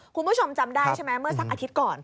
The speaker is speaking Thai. คุณผู้ชมจำได้ใช่ไหมเมื่อสักอาทิตย์ก่อน